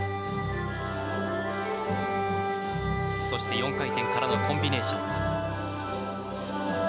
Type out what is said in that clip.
そして４回転からのコンビネーション。